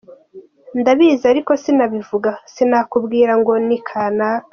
Ndabizi ariko sinabivuga, sinakubwira ngo ni kanaka.